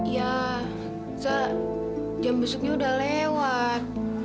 ya jam besuknya udah lewat